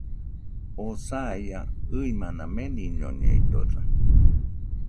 Oo saia, ɨimana meniñoñeitɨosa